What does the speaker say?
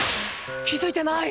気づいてない！